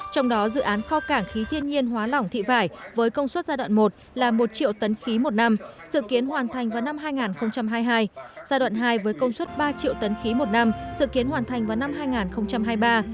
trong đó dự án kho cảng khí thiên nhiên hóa lỏng thị vải với công suất giai đoạn một là một triệu tấn khí một năm dự kiến hoàn thành vào năm hai nghìn hai mươi hai giai đoạn hai với công suất ba triệu tấn khí một năm dự kiến hoàn thành vào năm hai nghìn hai mươi ba